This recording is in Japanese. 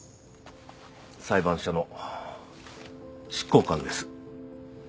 裁判所の執行官です。